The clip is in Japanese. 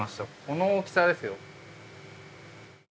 この大きさですよ。